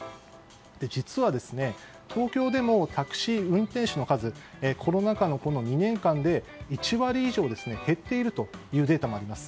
実は、東京でもタクシー運転手の数コロナ禍の、この２年間で１割以上減っているというデータもあります。